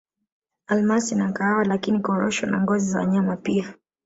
Almasi na kahawa lakini Korosho na ngozi za wanyama pia